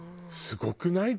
すごくない？